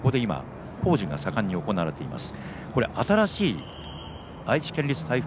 工事が盛んに行われています。